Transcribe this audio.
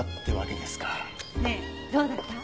ねえどうだった？